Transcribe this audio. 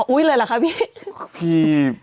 อุ้ยเลยหรอคะพี่